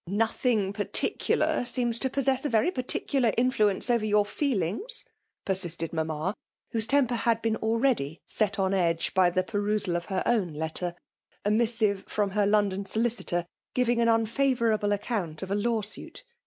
."' Nothing particular ' seems to possess a very particular influence over your feelings/* persisted mamma, whose temper had been already set on edge by the pearusal of her own letter — a missive from her London solir citor, giving an unfisivourable account • of a lawsuit.